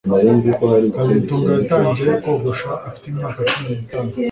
kazitunga yatangiye kogosha afite imyaka cumi nitatu